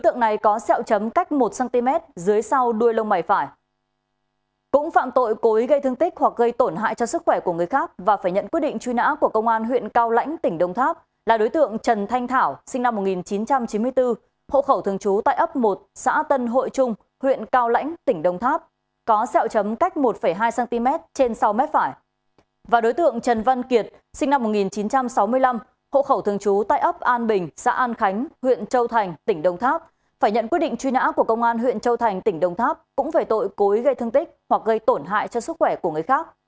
trên năm một nghìn chín trăm sáu mươi năm hộ khẩu thường trú tại ấp an bình xã an khánh huyện châu thành tỉnh đông tháp phải nhận quyết định truy nã của công an huyện châu thành tỉnh đông tháp cũng về tội cố ý gây thương tích hoặc gây tổn hại cho sức khỏe của người khác